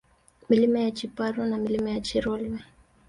Milima ya Chiparua na Milima ya Chirolwe